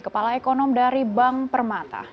kepala ekonom dari bank permata